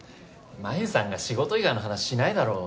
真夢さんが仕事以外の話しないだろ。